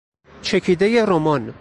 چکیدهی رمان